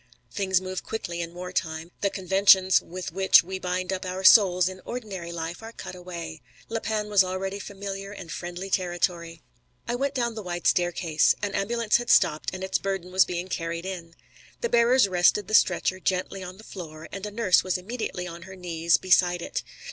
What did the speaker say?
Things move quickly in war time. The conventions with which we bind up our souls in ordinary life are cut away. La Panne was already familiar and friendly territory. I went down the wide staircase. An ambulance had stopped and its burden was being carried in. The bearers rested the stretcher gently on the floor, and a nurse was immediately on her knees beside it.